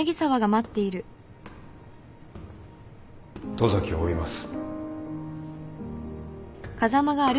十崎を追います。